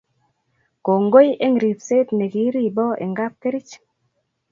Kongoi eng' ribset ne kiiribo eng' kapkerich